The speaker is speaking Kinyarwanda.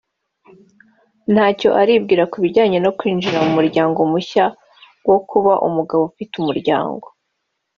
ntacyo uribwira ku bijyanye no kwinjira mu buzima bushya bwo kuba umugabo ufite umuryango